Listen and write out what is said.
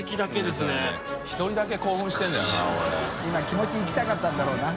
気持ち行きたかったんだろうな。